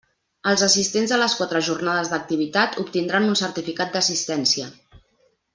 Els assistents a les quatre jornades d'activitat obtindran un certificat d'assistència.